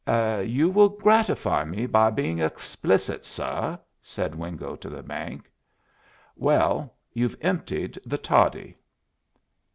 "You will gratify me by being explicit, suh," said Wingo to the bank. "Well, you've emptied the toddy."